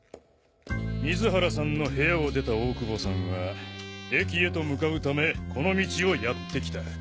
水原さんの部屋を出た大久保さんは駅へと向かうためこの道をやって来た。